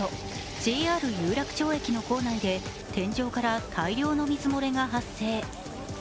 ＪＲ有楽町駅の構内で天井から大量の水漏れが発生。